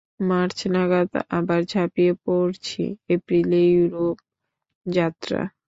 March নাগাদ আবার ঝাঁপিয়ে পড়ছি, এপ্রিলে ইউরোপ যাত্রা।